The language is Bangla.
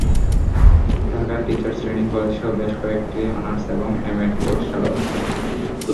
ঢাকা টিচার্স ট্রেনিং কলেজসহ বেশ কয়েকটিতেঅনার্স এবং এমএড কোর্স চালু আছে।